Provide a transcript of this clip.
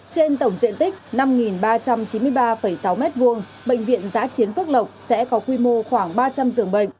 trên tổng diện tích năm ba trăm chín mươi ba sáu m hai bệnh viện giã chiến phước lộc sẽ có quy mô khoảng ba trăm linh giường bệnh